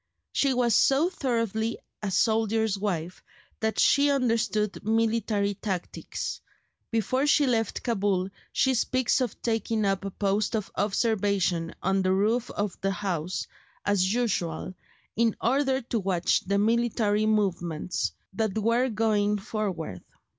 She was so thoroughly a soldier's wife that she understood military tactics: before she left Cabul she speaks of taking up a post of observation on the roof of the house, "as usual," in order to watch the military movements that were going forward.